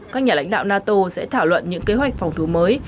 các nhà lãnh đạo nato sẽ thảo luận những kế hoạch phòng thủ mới